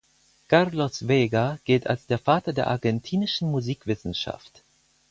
Carlos Vega gilt als der Vater der argentinischen Musikwissenschaft.